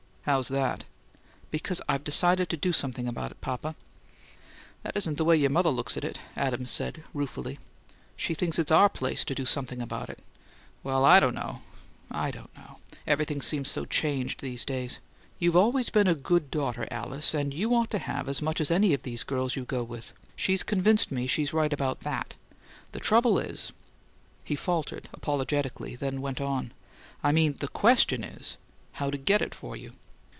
"How's that?" "Because I've decided to do something about it, papa." "That isn't the way your mother looks at it," Adams said, ruefully. "She thinks it's our place to do something about it. Well, I don't know I don't know; everything seems so changed these days. You've always been a good daughter, Alice, and you ought to have as much as any of these girls you go with; she's convinced me she's right about THAT. The trouble is " He faltered, apologetically, then went on, "I mean the question is how to get it for you."